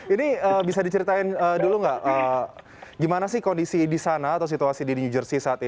ini bisa diceritain dulu nggak gimana sih kondisi di sana atau situasi di new jersey saat ini